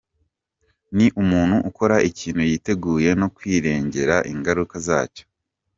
Ni umuntu ukora ikintu yiteguye no kwirengera ingaruka zacyo.